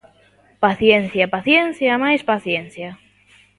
Paciencia, paciencia, e máis paciencia.